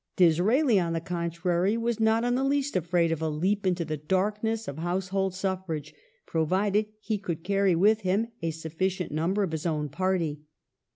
2 Disraeli, on the contrary, was not in the least afraid of a leap into the darkness of household suffrage, pro vided he could cany with him a sufficient number of his own party.